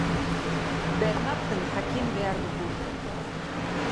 Bermatzen jakin behar dugu.